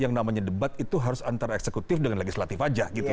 yang namanya debat itu harus antara eksekutif dengan legislatif aja gitu ya